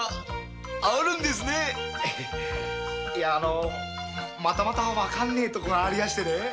いやまたまた分かんねぇとこがありましてね。